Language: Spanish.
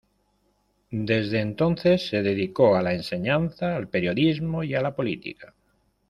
Desde entonces se dedicó a la enseñanza, al periodismo y a la política.